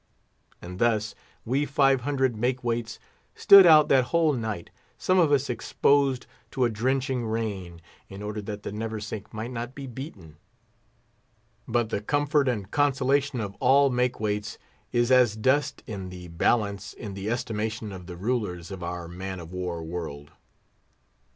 And thus we five hundred make weights stood out that whole night, some of us exposed to a drenching rain, in order that the Neversink might not be beaten. But the comfort and consolation of all make weights is as dust in the balance in the estimation of the rulers of our man of war world.